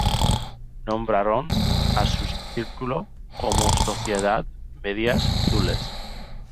Nombraron a su círculo como Sociedad Medias Azules.